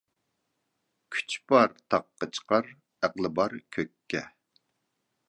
كۈچ بار تاغقا چىقار، ئەقلى بار كۆككە.